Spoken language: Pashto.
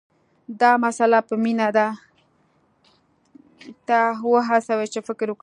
دا مسله به مينه دې ته وهڅوي چې فکر وکړي